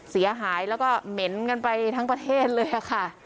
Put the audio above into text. เสียหายแล้วก็เหม็นกันไปทั้งประเทศเลยค่ะ